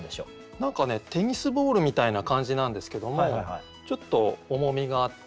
何かねテニスボールみたいな感じなんですけどもちょっと重みがあって。